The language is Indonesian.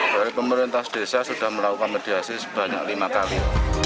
dari pemerintah desa sudah melakukan mediasi sebanyak lima kali